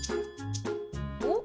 おっ？